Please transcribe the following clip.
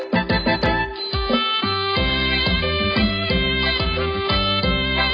โฮฮะไอ้ยะฮู้ไอ้ยะ